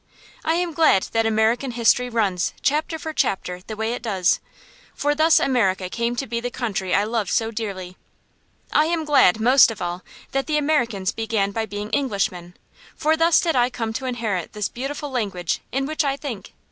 I am glad that American history runs, chapter for chapter, the way it does; for thus America came to be the country I love so dearly. I am glad, most of all, that the Americans began by being Englishmen, for thus did I come to inherit this beautiful language in which I think.